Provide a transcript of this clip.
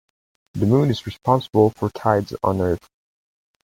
The moon is responsible for tides on earth.